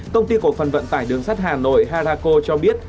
công ty cổ phần vận tải đường sắt hà nội harako cho biết